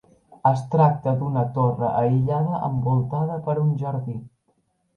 Es tracta d'una torre aïllada envoltada per un jardí.